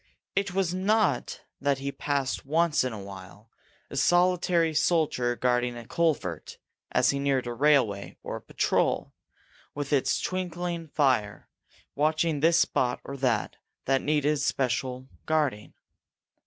It was not that he passed once in a while a solitary soldier guarding a culvert, as he neared a railway, or a patrol, with its twinkling fire, watching this spot or that that needed special guarding.